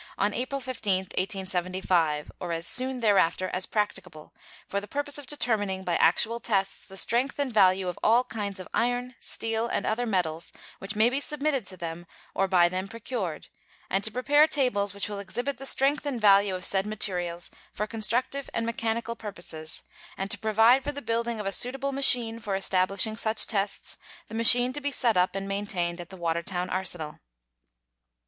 on April 15, 1875, or as soon thereafter as practicable, for the purpose of determining by actual tests the strength and value of all kinds of iron, steel, and other metals which may be submitted to them or by them procured, and to prepare tables which will exhibit the strength and value of said materials for constructive and mechanical purposes, and to provide for the building of a suitable machine for establishing such tests, the machine to be set up and maintained at the Watertown Arsenal.